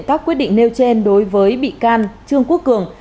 các quyết định nêu trên đối với bị can trương quốc cường